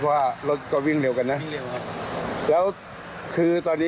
เพราะให้มีช่องช่องหลียากัน